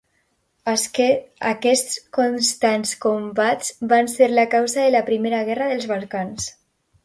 Aquests constants combats van ser la causa de la Primera Guerra dels Balcans.